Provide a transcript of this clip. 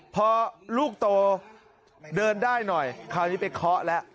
พอลูกโตเดินได้หน่อยคราวนี้ไปเคาะแล้ว